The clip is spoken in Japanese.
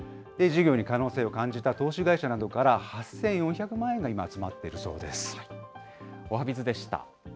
事業に可能性を感じた投資会社などから、８４００万円が今、集まっているそうです。